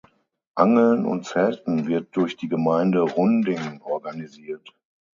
Angeln und Zelten wird durch die Gemeinde Runding organisiert.